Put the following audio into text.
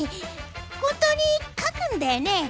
本当に書くんだよね？